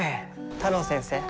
太郎先生。